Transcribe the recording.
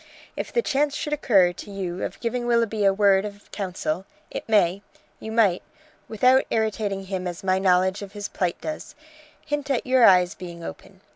If the chance should occur to you of giving Willoughby a word of counsel it may you might, without irritating him as my knowledge of his plight does, hint at your eyes being open.